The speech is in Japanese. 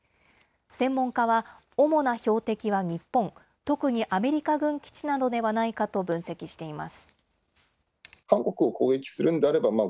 専門家は、主な標的は日本、特にアメリカ軍基地などではないかと分析しています。